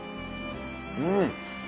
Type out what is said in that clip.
うん！